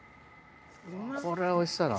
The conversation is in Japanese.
これはおいしそうやな。